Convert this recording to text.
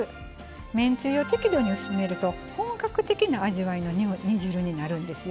めんつゆを適度に薄めると本格的な味わいの煮汁になるんですよ。